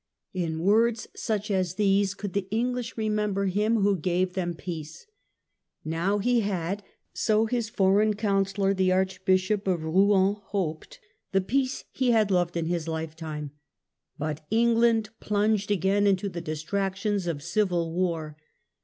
In words such as these could the English re member him who gave them peace. Now he had, so his foreign counsellor the Archbishop of Rouen hoped, the peace he had loved in his lifetime. But England plunged again into the distractions of civil war.